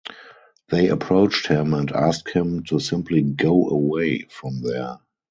They approached him and asked him to simply "go away" from there.